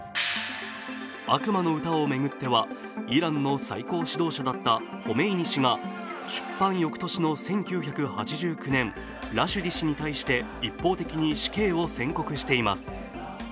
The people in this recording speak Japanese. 「悪魔の詩」を巡ってはイランの最高指導者だったホメイニ師が出版翌年の１９８９年、ラシュディ氏に対して一方的に死刑を宣告しています。